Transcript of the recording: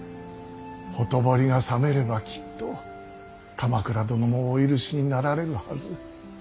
ほとぼりが冷めればきっと鎌倉殿もお許しになられるはず。